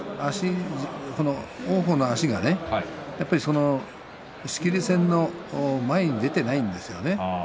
王鵬の足が仕切り線の前に出ていないんですよね。